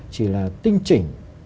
chỉ là tinh chỉnh